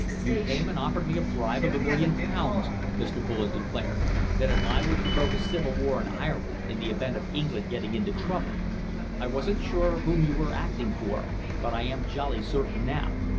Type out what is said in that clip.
"You came and offered me a bribe of a million pounds," Mr. Bullen declared, "if I would provoke a civil war in Ireland in the event of England getting into trouble. I wasn't sure whom you were acting for then, but I am jolly certain now.